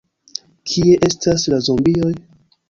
Kie estas la zombioj?